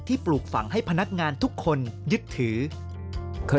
ปลูกฝังให้พนักงานทุกคนยึดถือ